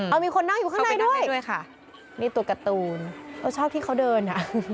เอ้ามีคนนั่งอยู่ข้างในด้วยนี่ตัวการ์ตูนเขาชอบที่เขาเดิน